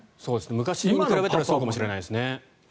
昔に比べたらそうかもしれないですね。